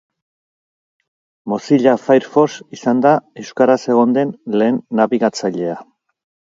Mozilla Firefox izan da euskaraz egon den lehen nabigatzailea.